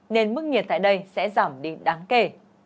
nên mức nhiệt tại đây sẽ giảm đi đáng kể